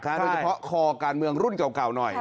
โดนเฉพาะคอการเมืองรุ่นเก่า